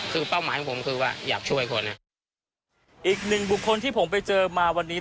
คือเป้าหมายของผมคือว่าอยากช่วยคนอีกหนึ่งบุคคลที่ผมไปเจอมาวันนี้